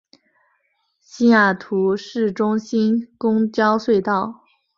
西雅图市中心公交隧道。